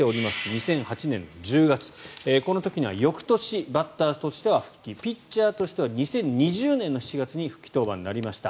２００８年１０月この時には翌年バッターとしては復帰ピッチャーとしては２０２０年７月に復帰登板になりました。